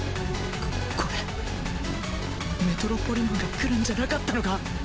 こっこれメトロポリマンが来るんじゃなかったのか？